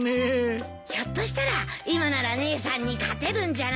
ひょっとしたら今なら姉さんに勝てるんじゃない？